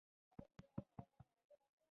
ناکامو زبېښونکو بنسټونو ته یې لار هواره کړه.